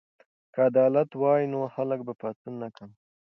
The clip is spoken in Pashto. که عدالت وای نو خلکو به پاڅون نه کاوه.